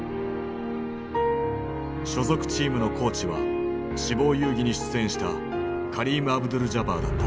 所属チームのコーチは「死亡遊戯」に出演したカリーム・アブドゥル＝ジャバーだった。